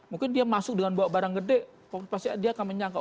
mungkin dia masuk dengan bawa barang gede pasti dia akan menyangka